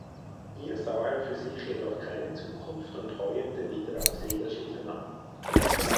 Hier sah er für sich jedoch keine Zukunft und heuerte wieder auf Segelschiffen an.